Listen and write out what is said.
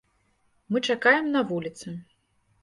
Мы чакаем на вуліцы.